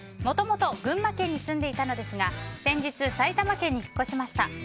もともと群馬県に住んでいたのですが先日、埼玉県に引っ越しました。